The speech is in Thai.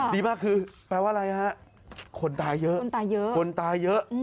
ดีมากคือแปลว่าอะไรคนตายเยอะคนตายเยอะ